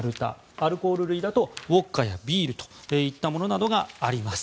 アルコール類だとウォッカやビールといったものなどがあります。